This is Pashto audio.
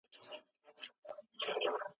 له زيات مهر اخيستلو څخه ډډه کول.